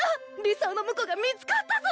理想の婿が見つかったぞ。